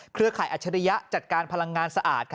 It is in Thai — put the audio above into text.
ข่ายอัจฉริยะจัดการพลังงานสะอาด